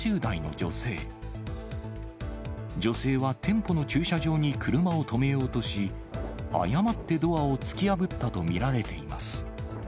女性は店舗の駐車場に車を止めようとし、誤ってドアを突き破ったと見られています。